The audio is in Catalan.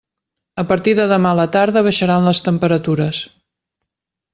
A partir de demà a la tarda baixaran les temperatures.